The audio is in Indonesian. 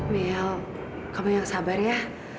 miel kamu yang sabar ya